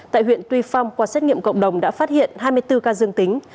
tại huyện tuy phong qua xét nghiệm cộng đồng đã phát hiện hai mươi bốn ca dương tính